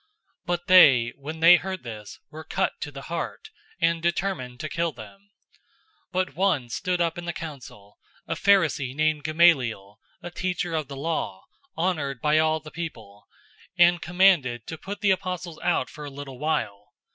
005:033 But they, when they heard this, were cut to the heart, and determined to kill them. 005:034 But one stood up in the council, a Pharisee named Gamaliel, a teacher of the law, honored by all the people, and commanded to put the apostles out for a little while.